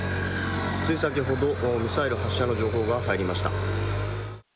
つい先ほどミサイル発射の情報が入りました。